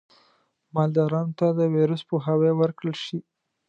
مالدارانو ته د ویروس پوهاوی ورکړل شي.